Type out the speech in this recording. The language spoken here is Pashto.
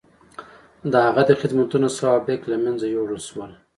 د هغه د خدمتونو سوابق له منځه یووړل شول.